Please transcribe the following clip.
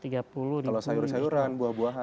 kalau sayur sayuran buah buahan